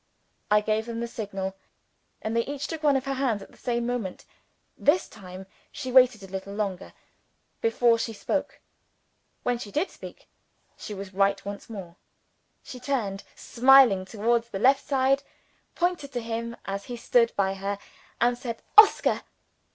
I gave them the signal; and they each took one of her hands at the same moment. This time, she waited a little longer before she spoke. When she did speak, she was right once more. She turned smiling, towards the left side, pointed to him as he stood by her, and said, "Oscar!"